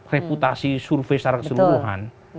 reputasi survei secara keseluruhan